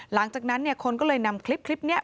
หลังจากนั้นเนี่ยคนก็เลยนำคลิปเนี่ย